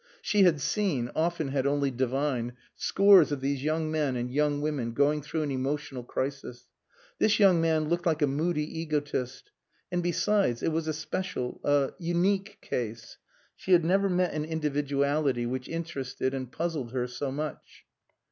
She had seen often had only divined scores of these young men and young women going through an emotional crisis. This young man looked like a moody egotist. And besides, it was a special a unique case. She had never met an individuality which interested and puzzled her so much.